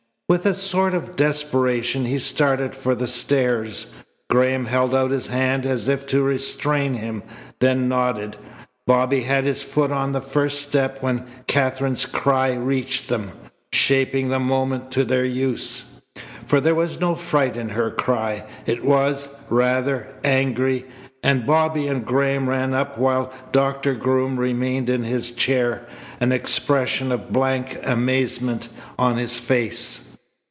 With a sort of desperation he started for the stairs. Graham held out his hand as if to restrain him, then nodded. Bobby had his foot on the first step when Katherine's cry reached them, shaping the moment to their use. For there was no fright in her cry. It was, rather, angry. And Bobby and Graham ran up while Doctor Groom remained in his chair, an expression of blank amazement on his face.